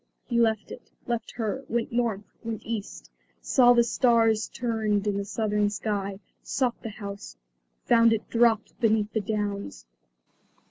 He left it, left her, went North, went East, saw the stars turned in the Southern sky; sought the house, found it dropped beneath the Downs.